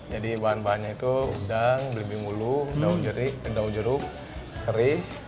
jadi bahan bahannya itu udang belimbing ulu daun jeruk seri